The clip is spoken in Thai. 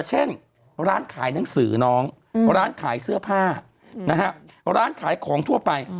เช่นร้านขายหนังสือน้องร้านขายเสื้อผ้าร้านขายของทั่วไป